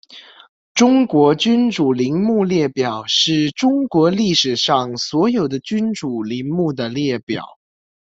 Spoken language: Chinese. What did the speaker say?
中国君主陵墓列表是中国历史上所有的君主陵墓的列表。